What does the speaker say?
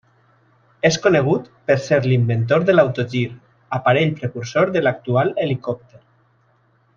És conegut per ser l'inventor de l'autogir, aparell precursor de l'actual helicòpter.